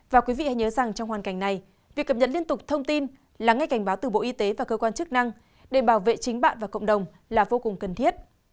và quý vị hãy nhớ rằng trong hoàn cảnh này việc cập nhật liên tục thông tin là ngay cảnh báo từ bộ y tế và cơ quan chức năng để bảo vệ chính bạn và cộng đồng là vô cùng cần thiết